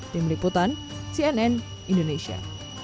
di meliputan cnn indonesia